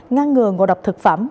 ngăn ngừa ngộ độc thực phẩm